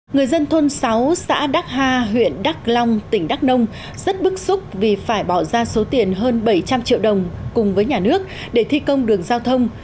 người dân thôn sáu xã đắc ha huyện đắk long tỉnh đắk nông rất bức xúc vì phải bỏ ra số tiền hơn bảy trăm linh triệu đồng cùng với nhà nước để thi công đường giao thông